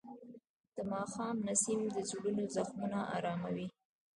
د ماښام نسیم د زړونو زخمونه آراموي.